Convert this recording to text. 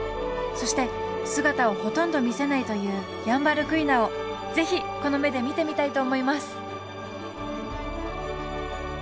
そして姿をほとんど見せないというヤンバルクイナを是非この目で見てみたいと思います！